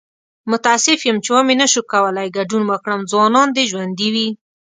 متاسف یم چې و مې نشو کولی ګډون وکړم. ځوانان دې ژوندي وي!